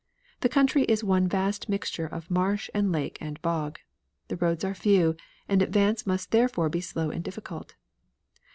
The country is one vast mixture of marsh and lake and bog. The roads are few, and advance must therefore be slow and difficult.